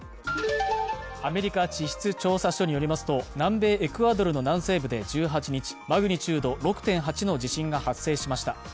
アメリカ地質調査所によりますと南米エクアドルの南西部で１８日、マグニチュード６．８の地震が発生しました。